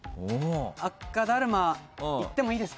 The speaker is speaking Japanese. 赤ダルマいってもいいですか？